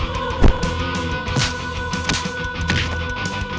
satu sama satu